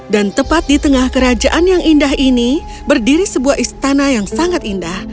dan tepat di tengah kerajaan yang indah ini berdiri sebuah istana yang sangat indah